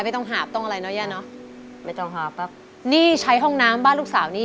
ไม่ต้องหาบต้องอะไรเนอะย่าเนอะไม่ต้องหาบปั๊บนี่ใช้ห้องน้ำบ้านลูกสาวนี่